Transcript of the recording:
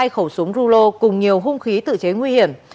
hai khẩu súng rulo cùng nhiều hung khí tự chế nguy hiểm